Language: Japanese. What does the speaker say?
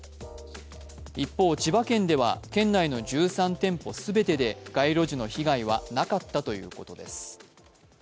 一方、千葉県では県内の１３店舗全てで街路樹の被害はなかったということです。